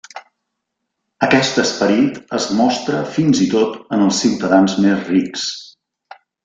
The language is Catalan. Aquest esperit es mostra fins i tot en els ciutadans més rics.